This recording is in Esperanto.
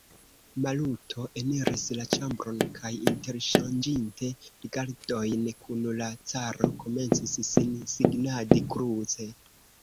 Maluto eniris la ĉambron kaj, interŝanĝinte rigardojn kun la caro, komencis sin signadi kruce.